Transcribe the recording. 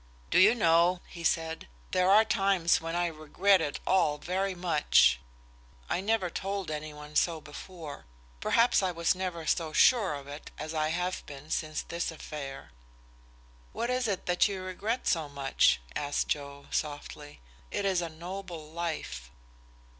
"Do you know," he said, "there are times when I regret it all very much? I never told any one so before perhaps I was never so sure of it as I have been since this affair." "What is it that you regret so much?" asked Joe, softly. "It is a noble life."